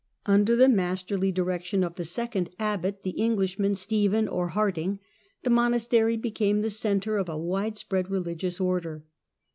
Under the masterly direction of the second abbot, the Englishman Stephen, or Harding, the monastery became the centre of a widespread religious Order.